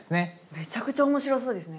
めちゃくちゃ面白そうですね。